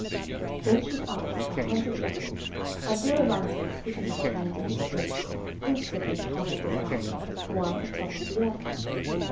Then she asked a hundred ducats, and Fioravante, putting his hand in his purse, instantly counted them out, one a top of the other.